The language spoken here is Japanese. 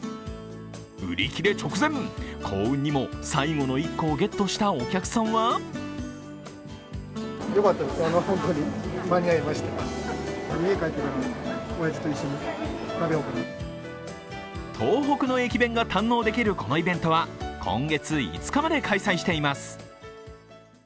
売り切れ直前、幸運にも最後の１個をゲットしたお客さんは東北の駅弁が堪能できるこのイベントは今月５日まで開催しています。